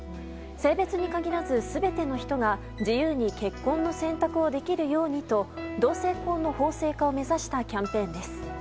性別に限らず全ての人が自由に結婚の選択をできるようにと同性婚の法制化を目指したキャンペーンです。